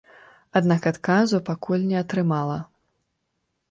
Аднак адказу пакуль не атрымала.